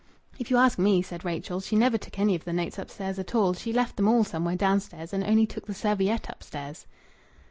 "If you ask me," said Rachel, "she never took any of the notes upstairs at all; she left them all somewhere downstairs and only took the serviette upstairs."